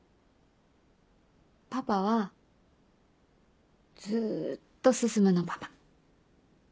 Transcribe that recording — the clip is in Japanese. パパはずっと進のパパ。